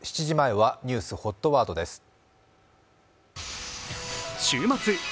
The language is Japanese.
７時前はニュースＨＯＴワードです。